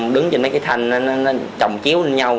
đứng trên mấy cái thanh nó trồng chiếu lên nhau